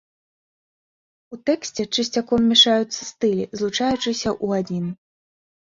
У тэксце часцяком мяшаюцца стылі, злучаючыся ў адзін.